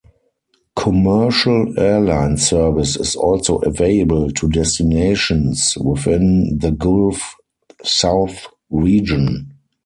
Commercial airline service is also available to destinations within the Gulf South Region.